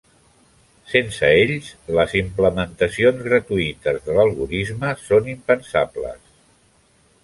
Sense ells, les implementacions gratuïtes de l'algorisme són impensable.